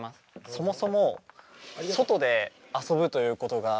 そもそも外で遊ぶということが基本的に。